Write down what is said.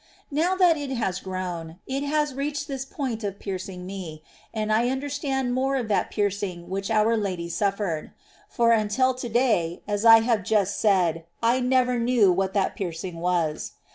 Now that it has grown, it has reached this point of piercing me ; and I understand more of that piercing which our Lady suffered ; for until to day, as I have just said, I never knew what that piercing was.